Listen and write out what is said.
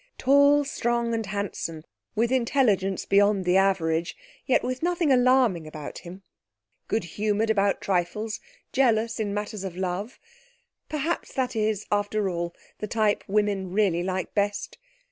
Tall, strong and handsome, with intelligence beyond the average, yet with nothing alarming about him, good humoured about trifles, jealous in matters of love perhaps that is, after all, the type women really like best.